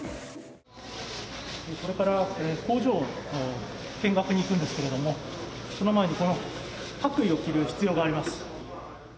これから工場の見学に行くんですけれども、その前にこの白衣を着る必要があります。